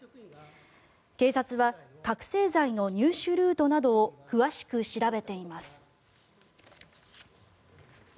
警察は覚醒剤の入手ルートなどを詳しく調べています。